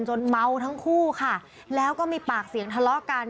เมาทั้งคู่ค่ะแล้วก็มีปากเสียงทะเลาะกัน